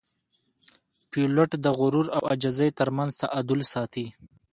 پیلوټ د غرور او عاجزۍ ترمنځ تعادل ساتي.